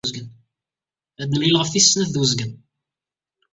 Ad nemlil ɣef tis snat ed wezgen.